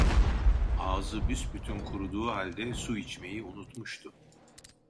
Ağzı büsbütün kuruduğu halde su içmeyi unutmuştu.